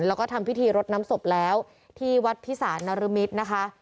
แล้วก็ทำพิธีรดน้ำศพแล้วที่วัดพิสารนรมิตรนะคะ